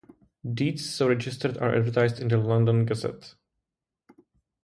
Deeds so registered are advertised in the "London Gazette".